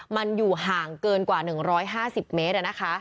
มันอยู่ห่างเกินกว่า๑๕๐เมตร